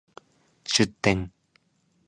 出店